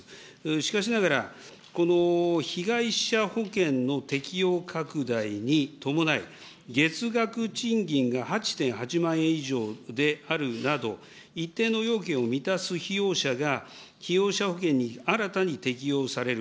しかしながら、この保険の適用拡大に伴い、月額賃金が８．８万円以上であるなど、一定の要件を満たす被用者が、被用者保険に新たに適用される。